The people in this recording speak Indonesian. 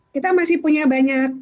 kita masih punya banyak